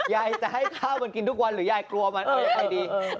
ยายจะให้ข้าวมันกินทุกวันหรือยายกลัวมันเอายังไงดี